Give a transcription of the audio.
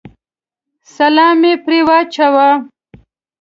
سلام مې پرې واچاوه.